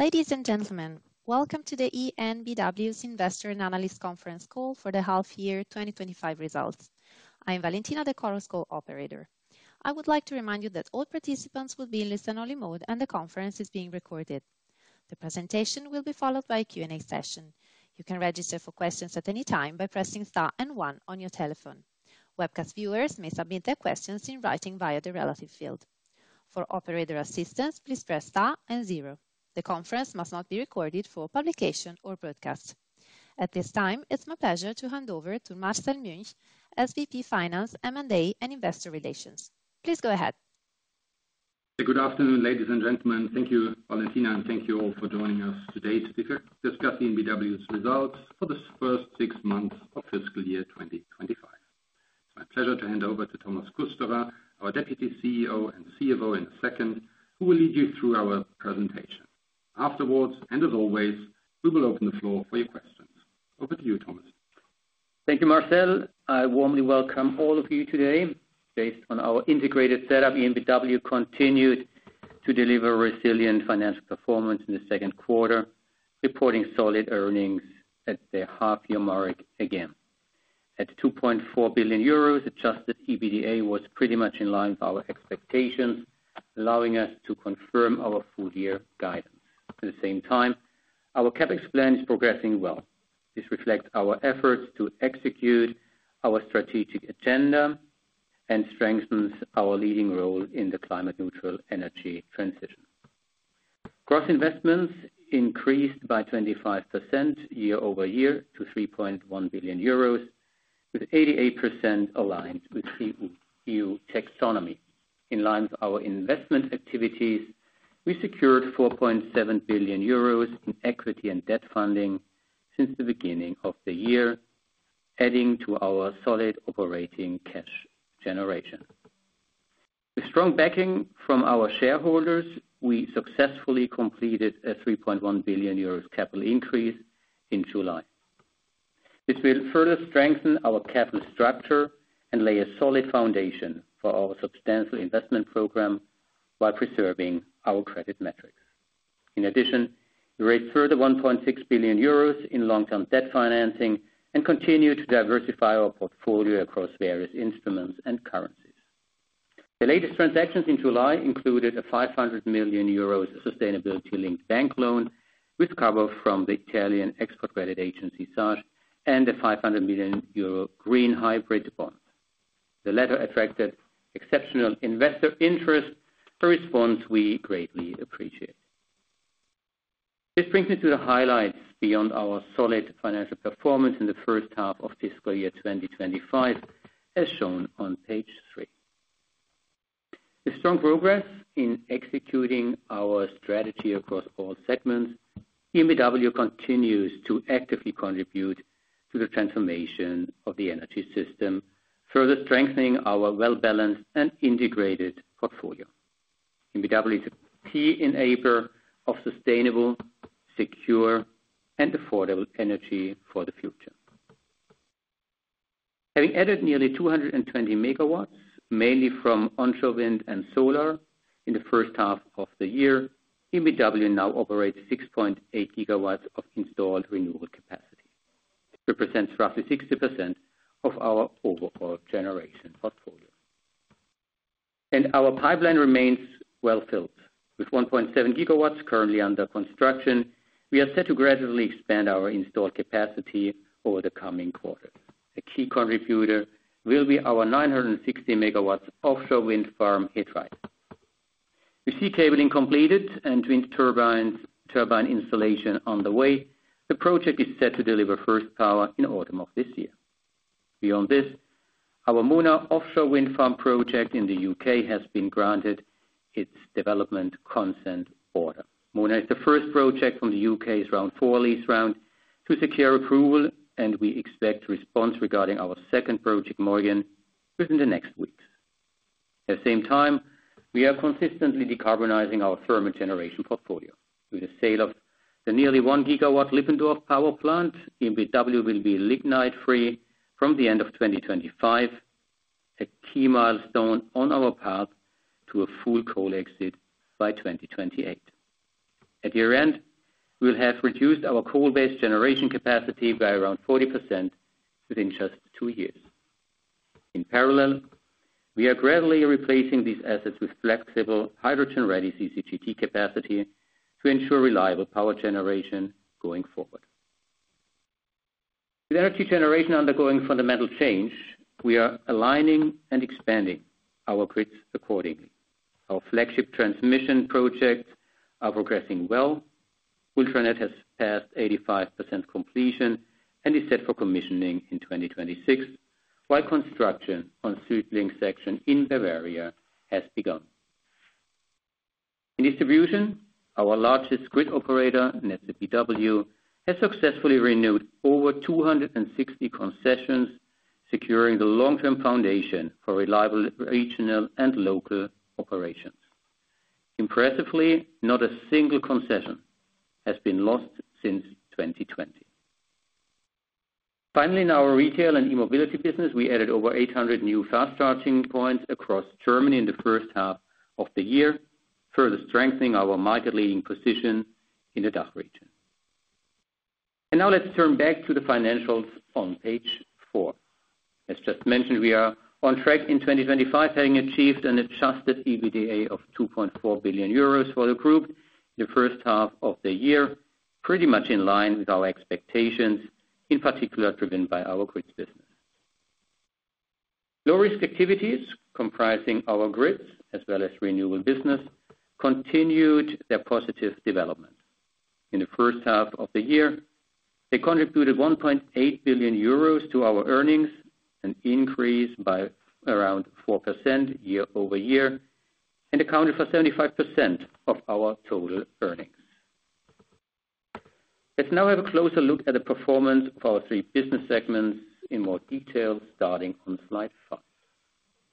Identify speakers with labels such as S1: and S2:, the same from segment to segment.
S1: Ladies and gentlemen, welcome to the EnBW's investor and analyst conference call for the half-year 2025 results. I am Valentina, the Chorus Call operator. I would like to remind you that all participants will be in listen-only mode and the conference is being recorded. The presentation will be followed by a Q&A session. You can register for questions at any time by pressing star and one on your telephone. Webcast viewers may submit their questions in writing via the relative field. For operator assistance, please press star and zero. The conference must not be recorded for publication or broadcast. At this time, it's my pleasure to hand over to Marcel Münch, SVP Finance, M&A, and Investor Relations. Please, go ahead.
S2: Good afternoon, ladies and gentlemen. Thank you, Valentina, and thank you all for joining us today to discuss EnBW's results for the first six months of fiscal year 2025. My pleasure to hand over to Thomas Kusterer, our Deputy CEO and CFO, in a second, who will lead you through our presentation. Afterwards, as always, we will open the floor for your questions. Over to you, Thomas.
S3: Thank you, Marcel. I warmly welcome all of you today. Based on our integrated setup, EnBW continued to deliver resilient financial performance in the second quarter, reporting solid earnings at their half-year mark again. At 2.4 billion euros, adjusted EBITDA was pretty much in line with our expectations, allowing us to confirm our full-year guidance. At the same time, our CapEx plan is progressing well. This reflects our efforts to execute our strategic agenda and strengthens our leading role in the climate-neutral energy transition. Gross investments increased by 25% year over year to 3.1 billion euros, with 88% aligned with EU taxonomy. In line with our investment activities, we secured 4.7 billion euros in equity and debt funding since the beginning of the year, adding to our solid operating cash generation. With strong backing from our shareholders, we successfully completed a 3.1 billion euros capital increase in July. This will further strengthen our capital structure and lay a solid foundation for our substantial investment program while preserving our credit metrics. In addition, we raised a further 1.6 billion euros in long-term debt financing and continue to diversify our portfolio across various instruments and currencies. The latest transactions in July included a 500 million euros sustainability-linked bank loan with cover from the Italian export credit agency, SACE, and a 500 million euro green hybrid bond. The latter attracted exceptional investor interest, a response we greatly appreciate. This brings me to the highlights beyond our solid financial performance in the first half of fiscal year 2025, as shown on page three. With strong progress in executing our strategy across all segments, EnBW continues to actively contribute to the transformation of the energy system, further strengthening our well-balanced and integrated portfolio. EnBW is a key enabler of sustainable, secure, and affordable energy for the future. Having added nearly 220 MW mainly from onshore wind and solar, in the first half of the year, EnBW now operates 6.8 GW of installed renewable capacity. It represents roughly 60% of our overall generation portfolio. Our pipeline remains well-filled. With 1.7 GW currently under construction, we are set to gradually expand our installed capacity over the coming quarters. A key contributor will be our 960 MW offshore wind farm He Dreiht. With sea cabling completed and wind turbine installation on the way, the project is set to deliver first power in autumn of this year. Beyond this, our Mona Offshore Wind Farm Project in the U.K. has been granted its development consent order. Mona is the first project from the U.K.'s round for-lease round to secure approval, and we expect response regarding our second project, Morgan, within the next week. At the same time, we are consistently decarbonizing our thermal generation portfolio. With the sale of the nearly 1 GW Lippendorf power plant, EnBW will be lignite-free from the end of 2025, a key milestone on our path to a full coal exit by 2028. At year end, we'll have reduced our coal-based generation capacity by around 40% within just two years. In parallel, we are gradually replacing these assets with flexible, hydrogen-ready CCGT capacity to ensure reliable power generation going forward. With energy generation undergoing fundamental change, we are aligning and expanding our grids accordingly. Our flagship transmission projects are progressing well. ULTRANET has passed 85% completion and is set for commissioning in 2026, while construction on the SuedLink section in Bavaria has begun. In distribution, our largest grid operator, Netze BW, has successfully renewed over 260 concessions, securing the long-term foundation for reliable regional and local operations. Impressively, not a single concession has been lost since 2020. Finally, in our retail and e-mobility business, we added over 800 new fast-charging points across Germany in the first half of the year, further strengthening our market-leading position in the DACH region. Now let's turn back to the financials on page four. As just mentioned, we are on track in 2025, having achieved an adjusted EBITDA of 2.4 billion euros for the group in the first half of the year, pretty much in line with our expectations, in particular driven by our grid business. Low-risk activities comprising our grids as well as renewable business continued their positive development. In the first half of the year, they contributed 1.8 billion euros to our earnings, an increase by around 4% year over year, and accounted for 75% of our total earnings. Let's now have a closer look at the performance of our three business segments in more detail, starting on slide five.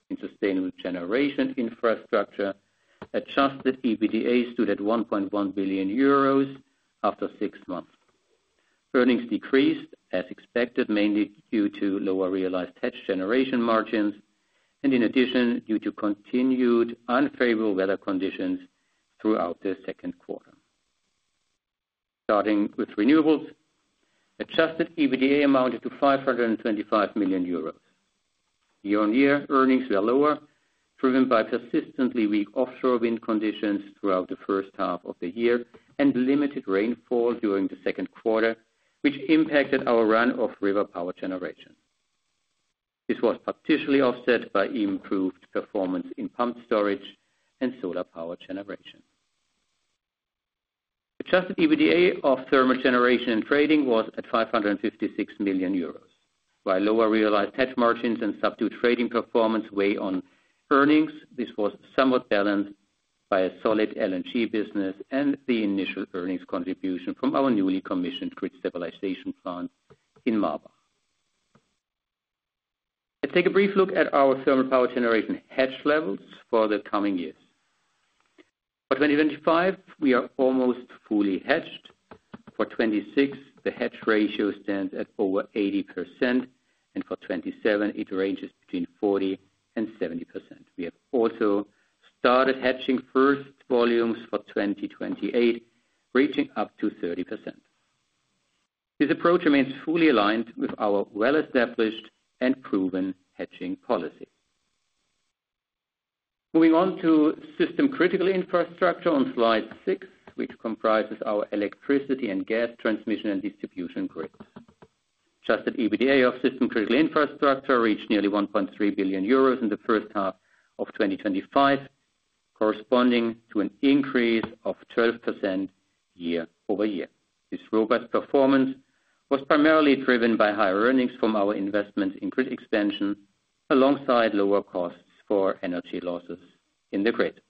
S3: In sustainable generation infrastructure, adjusted EBITDA stood at 1.1 billion euros after six months. Earnings decreased as expected, mainly due to lower realized tax generation margins, and in addition due to continued unfavorable weather conditions throughout the second quarter. Starting with renewables, adjusted EBITDA amounted to 525 million euros. Year-on-year earnings were lower, driven by persistently weak offshore wind conditions throughout the first half of the year and limited rainfall during the second quarter, which impacted our run-of-river power generation. This was partially offset by improved performance in pump storage and solar power generation. Adjusted EBITDA of thermal generation and trading was at 556 million euros. While lower realized tax margins and subdued trading performance weigh on earnings, this was somewhat balanced by a solid LNG business and the initial earnings contribution from our newly commissioned grid stabilization plant in Marbach. Let's take a brief look at our thermal power generation hedge levels for the coming years. For 2025, we are almost fully hedged. For 2026, the hedge ratio stands at over 80%, and for 2027, it ranges between 40% and 70%. We have also started hedging first volumes for 2028, reaching up to 30%. This approach remains fully aligned with our well-established and proven hedging policy. Moving on to system critical infrastructure on slide six, which comprises our electricity and gas transmission and distribution grids. Adjusted EBITDA of system critical infrastructure reached nearly 1.3 billion euros in the first half of 2025, corresponding to an increase of 12% year over year. This robust performance was primarily driven by higher earnings from our investments in grid expansion, alongside lower costs for energy losses in the grid.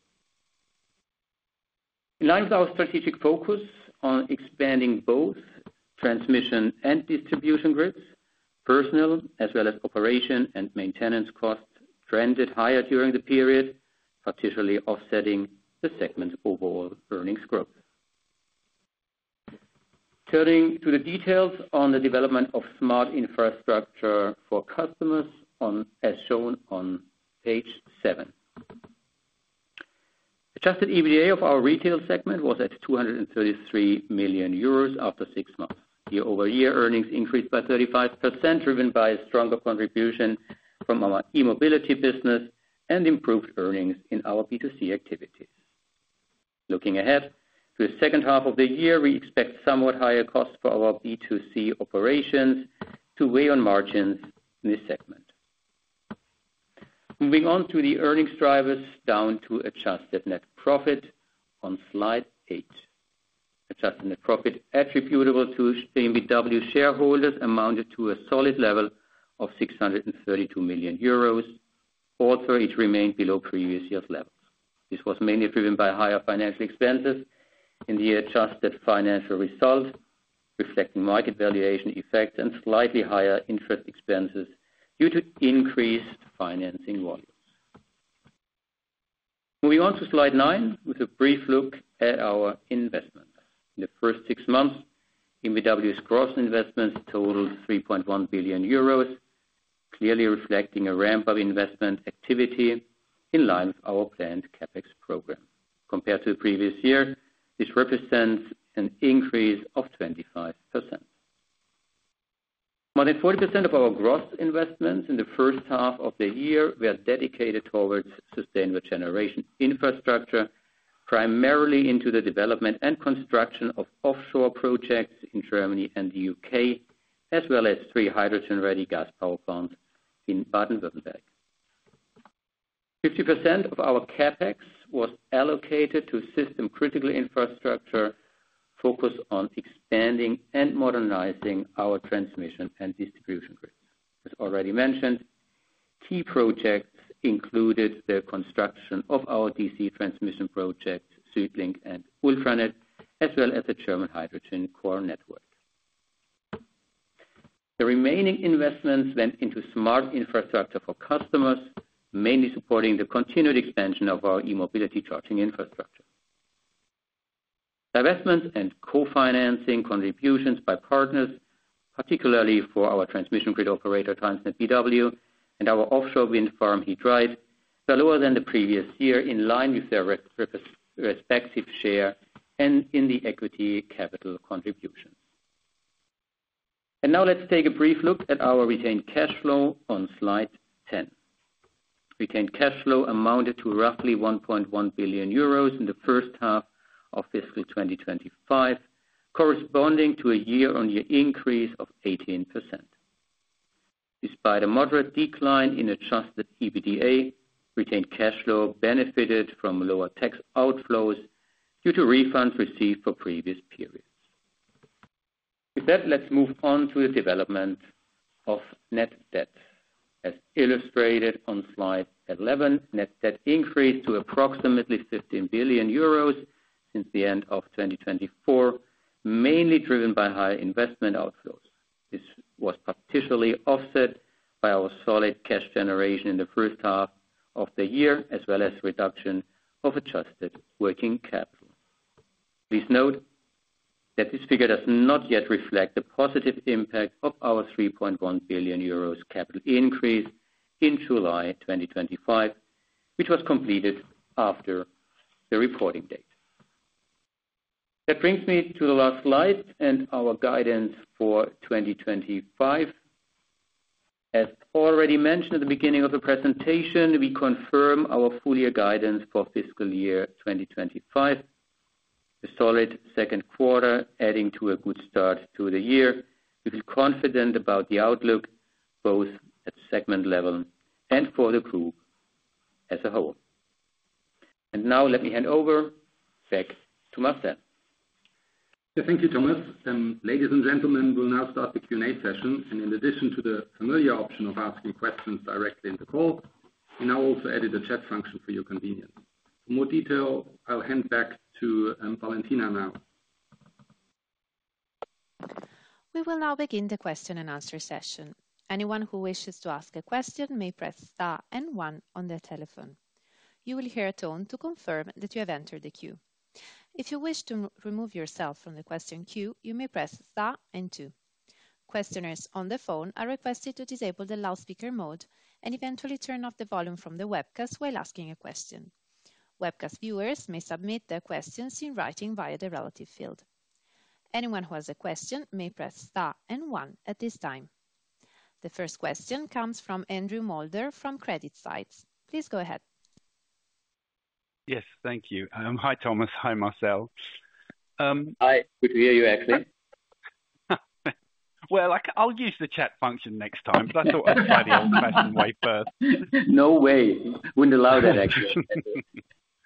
S3: In light of our strategic focus on expanding both transmission and distribution grids, personnel as well as operation and maintenance costs trended higher during the period, partially offsetting the segment's overall earnings growth. Turning to the details on the development of smart infrastructure for customers, as shown on page seven. Adjusted EBITDA of our retail segment was at 233 million euros after six months. Year-over-year earnings increased by 35%, driven by a stronger contribution from our e-mobility business and improved earnings in our B2C activities. Looking ahead to the second half of the year, we expect somewhat higher costs for our B2C operations to weigh on margins in this segment. Moving on to the earnings drivers down to adjusted net profit on slide eight. Adjusted net profit attributable to EnBW shareholders amounted to a solid level of 632 million euros. Also, it remained below previous year's levels. This was mainly driven by higher financial expenses in the adjusted financial result, reflecting market valuation effect and slightly higher interest expenses due to increased financing volume. Moving on to slide nine with a brief look at our investment. In the first six months, EnBW's gross investments totaled 3.1 billion euros, clearly reflecting a ramp-up investment activity in line with our planned CapEx program. Compared to the previous year, this represents an increase of 25%. More than 40% of our gross investments in the first half of the year were dedicated towards sustainable generation infrastructure, primarily into the development and construction of offshore projects in Germany and the U.K., as well as three hydrogen-ready gas power plants in Baden-Württemberg. 50% of our CapEx was allocated to system critical infrastructure, focused on expanding and modernizing our transmission and distribution grid. As already mentioned, key projects included the construction of our DC transmission project, SuedLink and ULTRANET, as well as the German hydrogen core network. The remaining investments went into smart infrastructure for customers, mainly supporting the continued expansion of our e-mobility charging infrastructure. Investments and co-financing contributions by partners, particularly for our transmission grid operator, TransnetBW, and our offshore wind farm, He Dreiht, were lower than the previous year, in line with their respective share and in the equity capital contribution. Now, let's take a brief look at our retained cash flow on slide 10. Retained cash flow amounted to roughly 1.1 billion euros in the first half of fiscal 2025, corresponding to a year-on-year increase of 18%. Despite a moderate decline in adjusted EBITDA, retained cash flow benefited from lower tax outflows due to refunds received for previous periods. With that, let's move on to the development of net debt. As illustrated on slide 11, net debt increased to approximately 15 billion euros since the end of 2024, mainly driven by high investment outflows. This was partially offset by our solid cash generation in the first half of the year, as well as a reduction of adjusted working capital. Please note that this figure does not yet reflect the positive impact of our 3.1 billion euros capital increase in July 2025, which was completed after the reporting date. That brings me to the last slide and our guidance for 2025. As already mentioned at the beginning of the presentation, we confirm our full-year guidance for fiscal year 2025. A solid second quarter adding to a good start to the year. We feel confident about the outlook both at segment level and for the group as a whole. Now, let me hand over back to Marcel.
S2: Thank you, Thomas. Ladies and gentlemen, we'll now start the Q&A session. In addition to the familiar option of asking questions directly in the call, we now also added a chat function for your convenience. For more detail, I'll hand back to Valentina now.
S1: We will now begin the question and answer session. Anyone who wishes to ask a question may press star and one on their telephone. You will hear a tone to confirm that you have entered the queue. If you wish to remove yourself from the question queue, you may press star and two. Questioners on the phone are requested to disable the loudspeaker mode and eventually turn off the volume from the webcast while asking a question. Webcast viewers may submit their questions in writing via the relative field. Anyone who has a question may press star and one at this time. The first question comes from Andrew Moulder from CreditSights. Please go ahead.
S4: Yes, thank you. Hi, Thomas. Hi, Marcel.
S3: Hi, good to hear you actually.
S4: I'll use the chat function next time, but I thought I'd try the old-fashioned way first.
S3: No way. Wouldn't allow that, actually.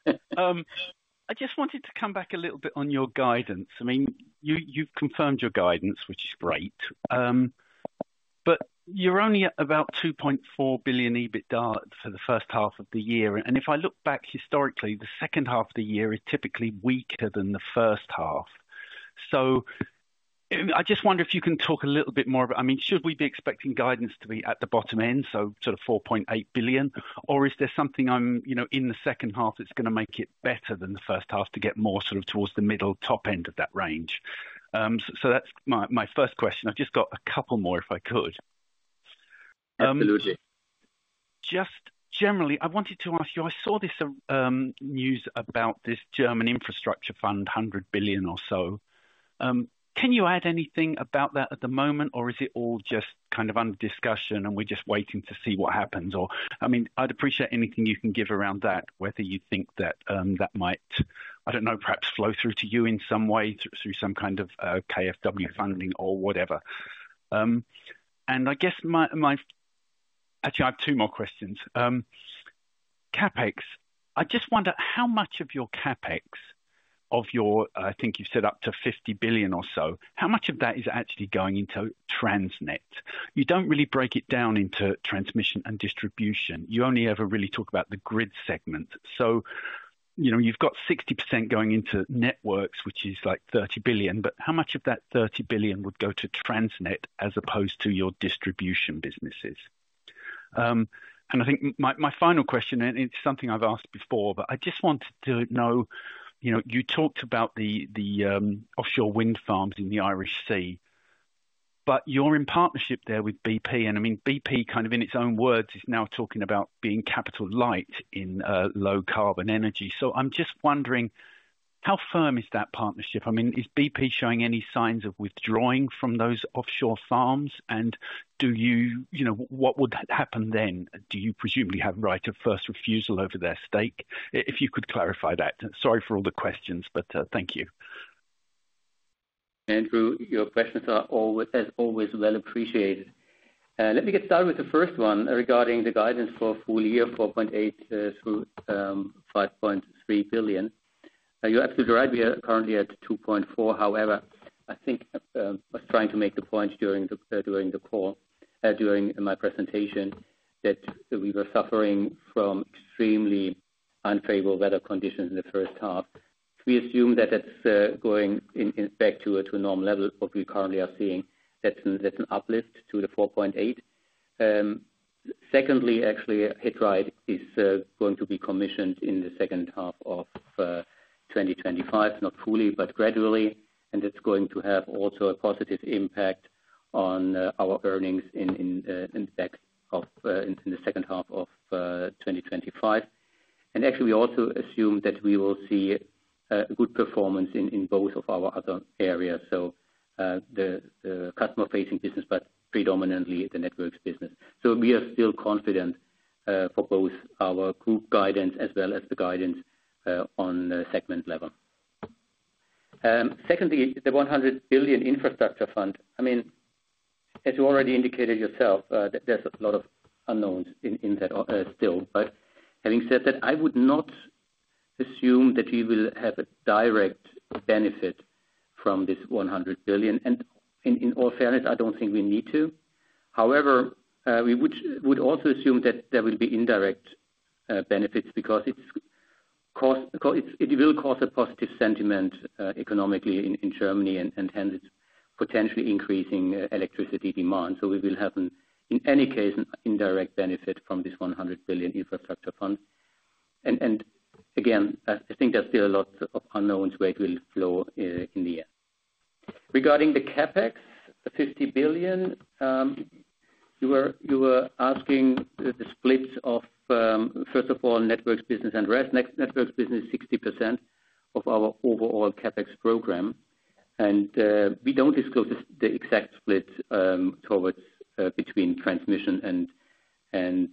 S4: I just wanted to come back a little bit on your guidance. I mean, you've confirmed your guidance, which is great. You're only at about 2.4 billion EBITDA for the first half of the year. If I look back historically, the second half of the year is typically weaker than the first half. I just wonder if you can talk a little bit more about, I mean, should we be expecting guidance to be at the bottom end, so sort of 4.8 billion, or is there something in the second half that's going to make it better than the first half to get more towards the middle, top end of that range? That's my first question. I've just got a couple more if I could.
S3: Absolutely.
S4: Just generally, I wanted to ask you, I saw this news about this German infrastructure fund, 100 billion or so. Can you add anything about that at the moment, or is it all just kind of under discussion and we're just waiting to see what happens? I'd appreciate anything you can give around that, whether you think that that might, I don't know, perhaps flow through to you in some way through some kind of KfW funding or whatever. I guess my, actually, I have two more questions. CapEx, I just wonder how much of your CapEx, of your, I think you said up to 50 billion or so, how much of that is actually going into Transnet? You don't really break it down into transmission and distribution. You only ever really talk about the grid segments. You've got 60% going into networks, which is like 30 billion, but how much of that 30 billion would go to Transnet as opposed to your distribution businesses? I think my final question, and it's something I've asked before, but I just wanted to know, you talked about the offshore wind farms in the Irish Sea, but you're in partnership there with, and bp, kind of in its own words, is now talking about being capital light in low-carbon energy. I'm just wondering, how firm is that partnership? Is bp showing any signs of withdrawing from those offshore farms? What would happen then? Do you presumably have a right of first refusal over their stake? If you could clarify that. Sorry for all the questions, but thank you.
S3: Andrew, your questions are always, as always, well appreciated. Let me get started with the first one regarding the guidance for full year, 4.8 billion through 5.3 billion. You're absolutely right. We are currently at 2.4 billion. However, I think I was trying to make the point during the call, during my presentation, that we were suffering from extremely unfavorable weather conditions in the first half. We assume that, that's going back to a normal level, what we currently are seeing. That's an uplift to the 4.8 billion. Secondly, actually, He Dreiht is going to be commissioned in the second half of 2025, not fully, but gradually. It's going to have also a positive impact on our earnings in the back of the second half of 2025. Actually, we also assume that we will see a good performance in both of our other areas, the customer-facing business, but predominantly the networks business. We are still confident, for both our group guidance as well as the guidance, on the segment level. Secondly, the 100 billion infrastructure fund, as you already indicated yourself, there's a lot of unknowns in that still. Having said that, I would not assume that we will have a direct benefit from this 100 billion. In all fairness, I don't think we need to. However, we would also assume that there will be indirect benefits because it will cause a positive sentiment economically in Germany, and hence, it's potentially increasing electricity demand. We will have in any case an indirect benefit from this 100 billion infrastructure fund. Again, I think there's still a lot of unknowns where it will flow in the end. Regarding the CapEx, the 50 billion, you were asking the splits of, first of all, networks business and rest. Networks business is 60% of our overall CapEx program. We don't disclose the exact split between transmission and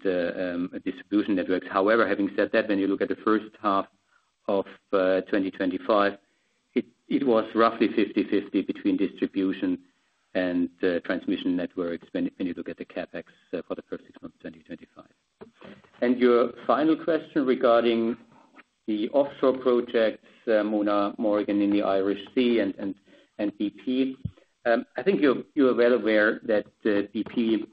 S3: distribution networks. However, having said that, when you look at the first half of 2025, it was roughly 50/50 between distribution and transmission networks when you look at the CapEx for the first six months of 2025. Your final question regarding the offshore projects, Mona, Morgan in the Irish Sea, and bp. I think you're well aware that bp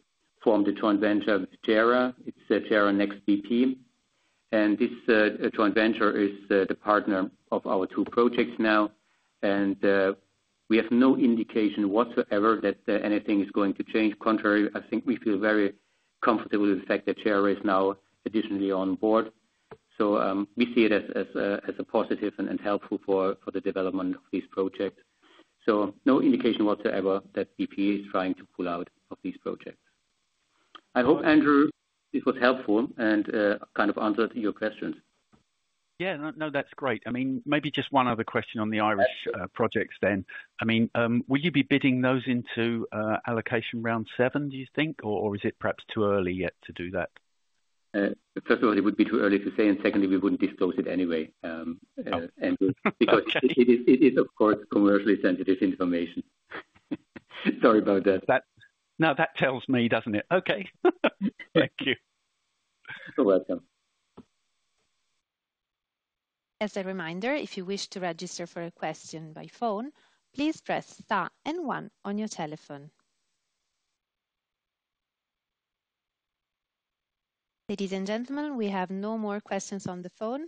S3: formed a joint venture with JERA. It's JERA Nex bp. This joint venture is the partner of our two projects now. We have no indication whatsoever that anything is going to change. Contrary, I think we feel very comfortable with the fact that JERA is now additionally on board. We see it as a positive and helpful for the development of these projects. No indication whatsoever that bp is trying to pull out of these projects. I hope, Andrew, it was helpful and kind of answered your questions.
S4: Yeah, no, that's great. Maybe just one other question on the Irish projects then. Will you be bidding those into allocation round seven, do you think, or is it perhaps too early yet to do that?
S3: First of all, it would be too early to say, and secondly, we wouldn't disclose it anyway, Andrew, because it is, of course, commercially sensitive information. Sorry about that.
S4: No, that tells me, doesn't it? Okay, thank you.
S3: You're welcome.
S1: As a reminder, if you wish to register for a question by phone, please press star and one on your telephone. Ladies and gentlemen, we have no more questions on the phone.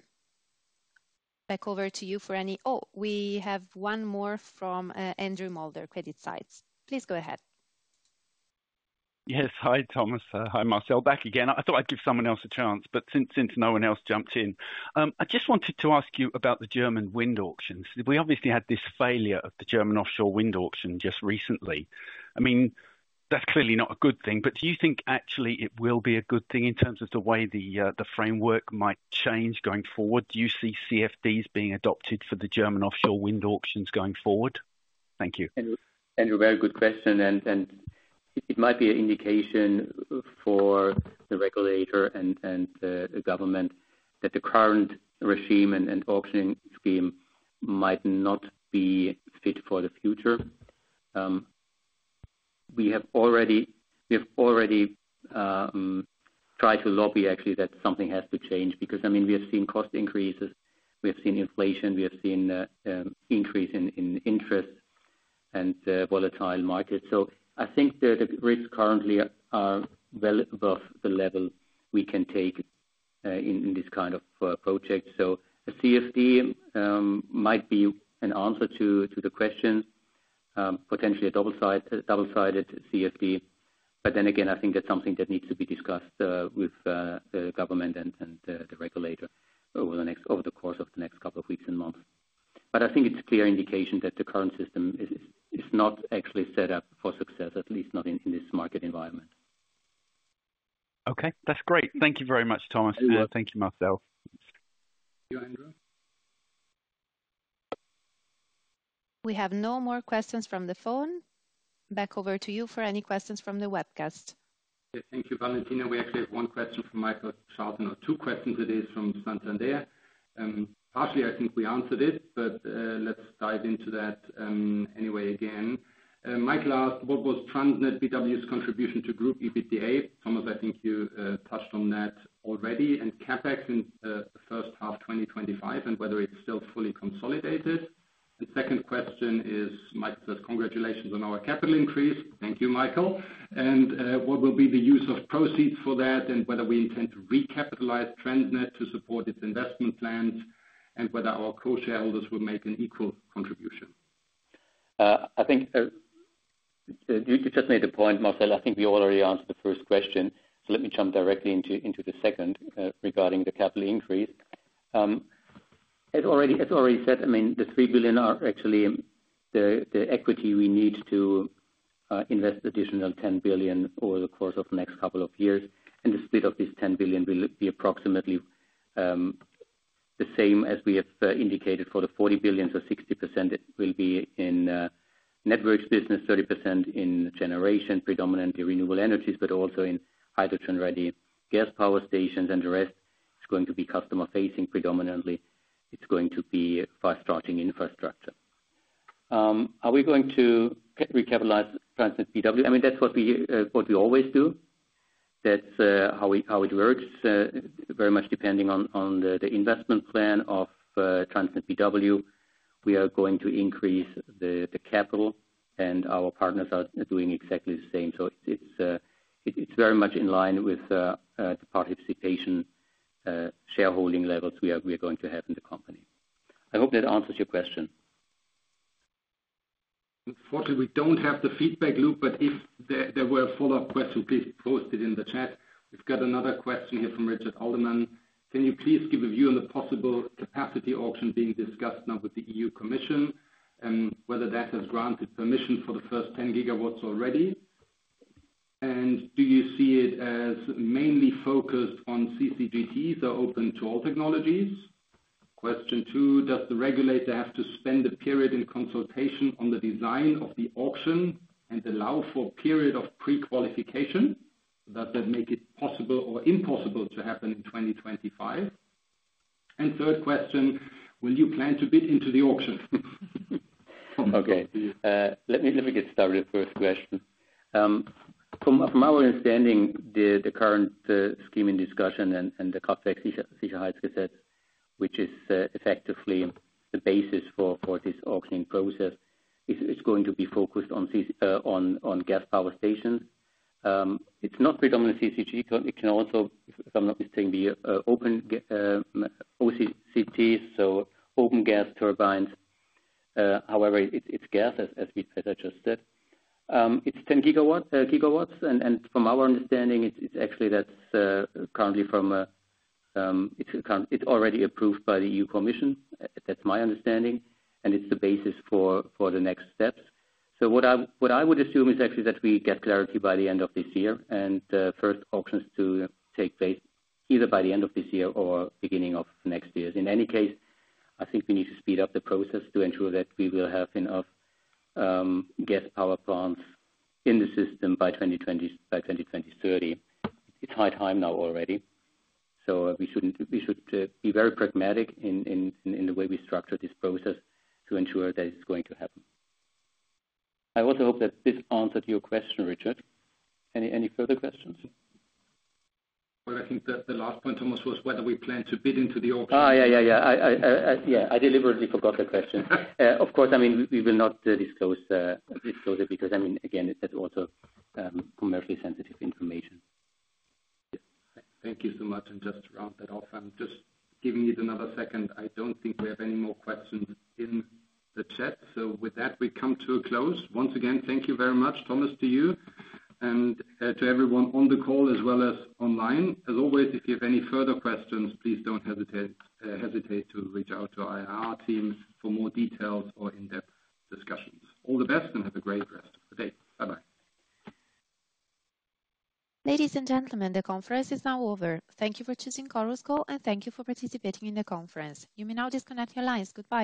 S1: Back over to you for any, oh, we have one more from Andrew Moulder, CreditSights. Please, go ahead.
S4: Yes, hi, Thomas. Hi, Marcel. Back again. I thought I'd give someone else a chance, but since no one else jumped in, I just wanted to ask you about the German wind auctions. We obviously had this failure of the German offshore wind auction just recently. I mean, that's clearly not a good thing, but do you think actually it will be a good thing in terms of the way the framework might change going forward? Do you see CfDs being adopted for the German offshore wind auctions going forward? Thank you.
S3: That's a very good question. It might be an indication for the regulator and the government that the current regime and auctioning scheme might not be fit for the future. We have already tried to lobby, actually, that something has to change because, I mean, we have seen cost increases, we have seen inflation, we have seen an increase in interest and volatile markets. I think that the risks currently are well above the level we can take in this kind of project. A CfD might be an answer to the question, potentially a double-sided CfD. That is something that needs to be discussed with the government and the regulator over the course of the next couple of weeks and months. I think it's a clear indication that the current system is not actually set up for success, at least not in this market environment.
S4: Okay, that's great. Thank you very much, Thomas. Thank you, Marcel.
S3: Thank you, Andrew.
S1: We have no more questions from the phone. Back over to you for any questions from the webcast.
S2: Thank you, Valentina. We actually have one question from Michael Charlton, or two questions, with this from Santander. Partially, I think we answered it, but let's dive into that anyway again. Michael asked, what will TransnetBW's contribution to group EBITDA? Thomas, I think you touched on that already, and CapEx in the first half of 2025, and whether it is still fully consolidated. The second question is, Michael said, congratulations on our capital increase. Thank you, Michael. What will be the use of proceeds for that, and whether we intend to recapitalize TransnetBW to support its investment plans, and whether our co-shareholders will make an equal contribution?
S3: I think you just made a point, Marcel. I think we already answered the first question. Let me jump directly into the second regarding the capital increase. As already said, the 3 billion are actually the equity we need to invest an additional 10 billion over the course of the next couple of years. The split of this 10 billion will be approximately the same as we have indicated, call it 40 billion, so 60% will be in networks business, 30% in generation, predominantly renewable energies, but also in hydrogen-ready gas power stations, and the rest is going to be customer-facing predominantly. It's going to be fast-charging infrastructure. Are we going to recapitalize TransnetBW? That's what we always do. That's how it works, very much depending on the investment plan of TransnetBW. We are going to increase the capital, and our partners are doing exactly the same. It's very much in line with the participation shareholding levels we are going to have in the company. I hope that answers your question.
S2: Unfortunately, we don't have the feedback loop, but if there were follow-up questions, please post it in the chat. We've got another question here from Richard Alderman. Can you please give a view on the possible capacity auction being discussed now with the EU Commission and whether that has granted permission for the first 10 GW already? Do you see it as mainly focused on CCGT, so open to all technologies? Question two, does the regulator have to spend a period in consultation on the design of the auction and allow for a period of pre-qualification? Does that make it possible or impossible to happen in 2025? Third question, will you plan to bid into the auction?
S3: Okay, let me get started with the first question. From our understanding, the current scheme in discussion and the CapEx, [which I said], which is effectively the basis for this auctioning process, is going to be focused on gas power stations. It's not predominantly CCGT. It can also, if I'm not mistaken, be OCGT, so open gas turbines. However, it's gas, as we just said. It's 10 GW, and from our understanding, that's currently already approved by the EU Commission. That's my understanding. It's the basis for the next steps. What I would assume is actually that we get clarity by the end of this year, and the first auctions take place either by the end of this year or the beginning of next year. In any case, I think we need to speed up the process to ensure that we will have enough gas power plants in the system by 2030. It's high time now already. We should be very pragmatic in the way we structure this process to ensure that it's going to happen. I also hope that this answered your question, Richard. Any further questions?
S2: I think the last point, Thomas, was whether we plan to bid into the auction.
S3: Yeah, I deliberately forgot the question. Of course, I mean, we will not disclose it because, I mean, again, that's also commercially sensitive information.
S2: Thank you so much. Just to round that off, I'm just giving it another second. I don't think we have any more questions in the chat. With that, we come to a close. Once again, thank you very much, Thomas, to you and to everyone on the call as well as online. As always, if you have any further questions, please don't hesitate to reach out to our team for more details or in-depth discussions. All the best and have a great rest of the day. Bye-bye.
S1: Ladies and gentlemen, the conference is now over. Thank you for choosing Chorus Call, and thank you for participating in the conference. You may now disconnect your lines. Goodbye.